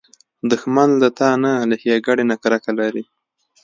دښمن له تا نه، له ښېګڼې نه کرکه لري